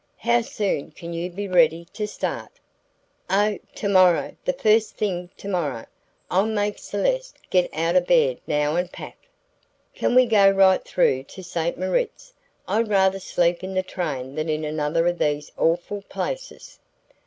How soon can you be ready to start?" "Oh, to morrow the first thing to morrow! I'll make Celeste get out of bed now and pack. Can we go right through to St. Moritz? I'd rather sleep in the train than in another of these awful places."